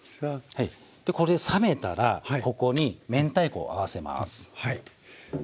でこれ冷めたらここに明太子を合わせます。